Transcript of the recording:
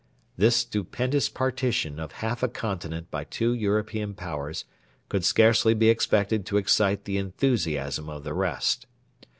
This stupendous partition of half a continent by two European Powers could scarcely be expected to excite the enthusiasm of the rest.